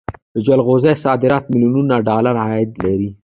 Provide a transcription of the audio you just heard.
د جلغوزیو صادرات میلیونونه ډالر عاید لري